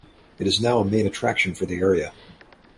It is now a main attraction for the area.